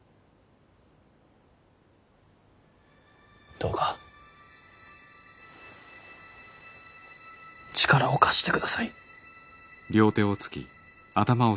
どうか力を貸してください。